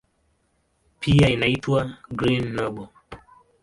Pia inaitwa "Green Nobel".